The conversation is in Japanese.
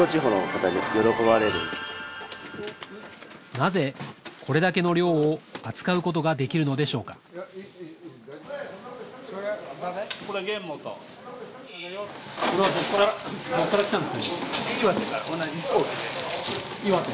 なぜこれだけの量を扱うことができるのでしょうか岩手？